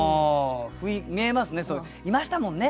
見えますねいましたもんね。